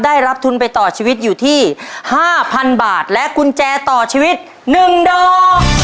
ได้รับทุนไปต่อชีวิตอยู่ที่๕๐๐๐บาทและกุญแจต่อชีวิต๑ดอก